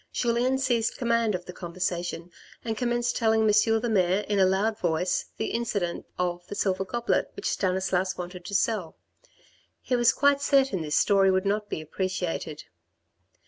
MANNERS OF PROCEDURE IN 1830 151 Julien seized command of the conversation and commenced telling M. the mayor in a loud voice the incident of the silver goblet which Stanislas wanted to sell. He was quite certain this story would not be appreciated.